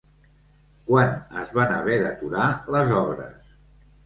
Quan es van haver d'aturar les obres?